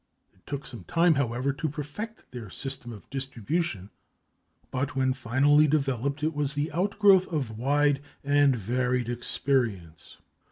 It took some time, however, to perfect their system of distribution but, when finally developed, it was the outgrowth of wide and varied experience.